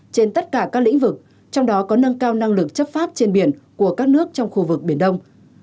trên tất cả các lĩnh vực trong đó có nâng cao năng lực chấp pháp trên biển của các nước trong khu vực biển đông